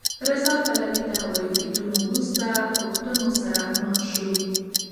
رضا پهلوي د هوايي بریدونو وروسته پوښتنو سره مخ شو.